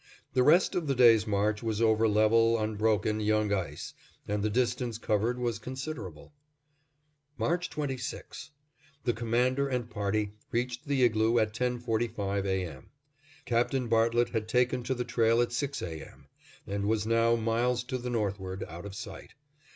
The rest of the day's march was over level, unbroken, young ice; and the distance covered was considerable. March 26: The Commander and party reached the igloo at ten forty five A. M. Captain Bartlett had taken to the trail at six A. M., and was now miles to the northward, out of sight.